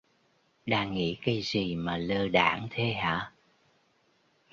Đang nghĩ cái gì mà lơ đãng thế hả